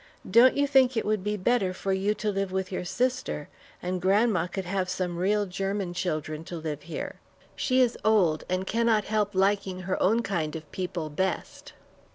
Don't you think it would be better for you to live with your sister, and grandma could have some real German children to live here? She is old, and can't help liking her own kind of people best."